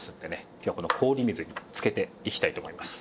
今日はこの氷水につけていきたいと思います。